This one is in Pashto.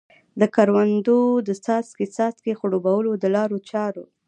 د کروندو د څاڅکې څاڅکي خړوبولو د لارو چارو.